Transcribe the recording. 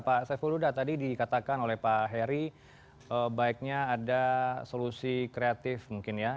pak saiful huda tadi dikatakan oleh pak heri baiknya ada solusi kreatif mungkin ya